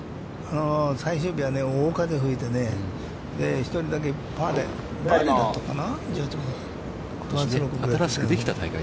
最終日はね、大風が吹いてね、１人だけパーで、バーディーだったかな？